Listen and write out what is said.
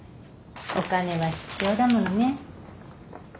お金は必要だものね。